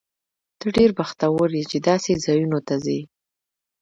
ته ډېر بختور یې، چې داسې ځایونو ته ځې.